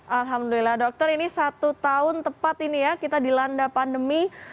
alhamdulillah dokter ini satu tahun tepat ini ya kita dilanda pandemi